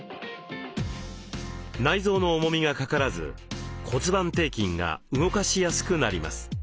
内臓の重みがかからず骨盤底筋が動かしやすくなります。